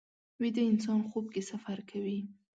ویده انسان خوب کې سفر کوي